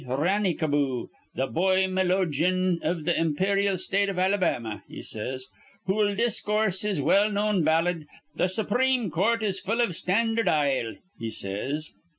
Rannycaboo, th' boy melodjun iv th' imperyal State iv Alabama,' he says, 'who'll discourse his well known ballad, 'Th' Supreme Court is Full iv Standard Ile,' he says.